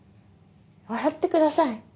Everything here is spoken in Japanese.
笑ってください。